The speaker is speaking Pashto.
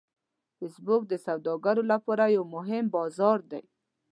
فېسبوک د سوداګرو لپاره یو مهم بازار دی